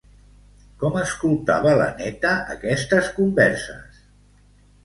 Com escoltava la neta aquestes converses?